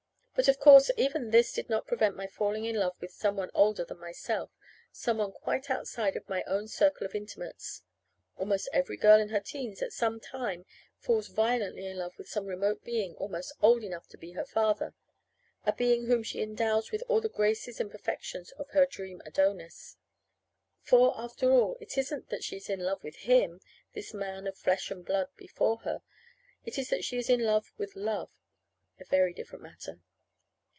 But, of course, even this did not prevent my falling in love with some one older than myself, some one quite outside of my own circle of intimates. Almost every girl in her teens at some time falls violently in love with some remote being almost old enough to be her father a being whom she endows with all the graces and perfections of her dream Adonis. For, after all, it isn't that she is in love with him, this man of flesh and blood before her; it is that she is in love with love. A very different matter.